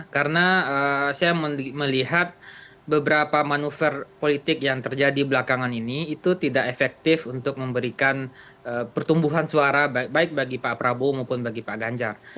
karena saya melihat beberapa manuver politik yang terjadi belakangan ini itu tidak efektif untuk memberikan pertumbuhan suara baik baik bagi pak prabowo maupun bagi pak ganjar